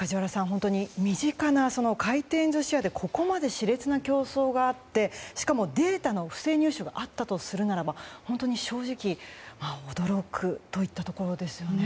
本当に身近な回転寿司屋でここまで熾烈な競争があってしかも、データの不正入手があったとするならば正直驚くといったところですよね。